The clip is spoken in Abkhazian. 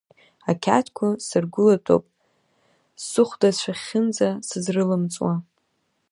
Ақьаадқәа сыргәылатәоуп сыхәдацәахьынӡа, сызрылымҵуа…